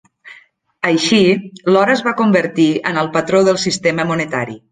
Així, l'or es va convertir en el patró del sistema monetari.